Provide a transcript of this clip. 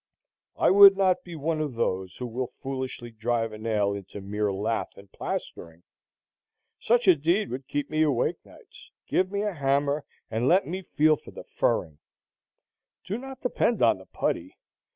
I would not be one of those who will foolishly drive a nail into mere lath and plastering; such a deed would keep me awake nights. Give me a hammer, and let me feel for the furring. Do not depend on the putty.